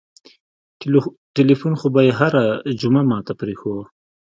ټېلفون خو به يې هره جمعه ما ته پرېښووه.